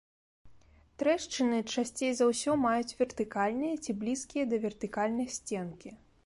Трэшчыны часцей за ўсё маюць вертыкальныя, ці блізкія да вертыкальных сценкі.